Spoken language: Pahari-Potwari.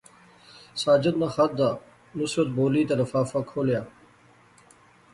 ساجد ناں خط دا، نصرت بولی تے لفافہ کھولیا